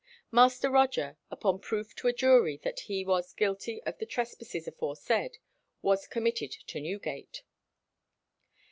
Master Roger, upon proof to a jury that he was guilty of the trespasses aforesaid, was committed to Newgate."